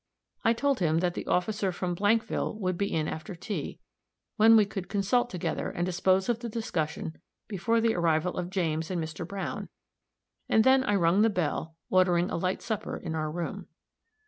I told him that the officer from Blankville would be in after tea, when we could consult together and dispose of the discussion before the arrival of James and Mr. Browne and I then rung the bell, ordering a light supper in our room.